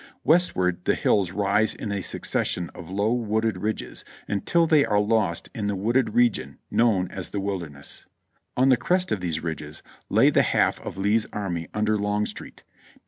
Westward the hills rise by a succession of low, wooded ridges until they are lost in the wooded region known as the Wilderness. On the crest of these ridges lay the half of Lee's army under Longstreet.